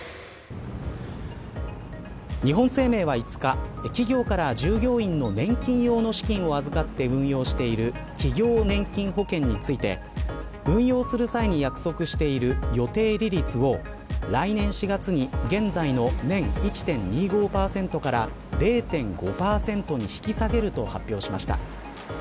日本生命は５日、企業から従業員の年金用の資金を預かって運用している企業年金保険について運用する際に約束している予定利率を来年４月に現在の年１．２５％から０．５％に引き下げると発表しました。